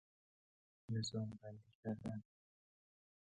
نظام بندی کردن